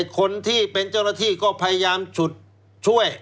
คนที่เป็นเจ้าหน้าที่ก็พยายามฉุดช่วย